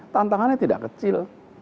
tantangannya tidak kecil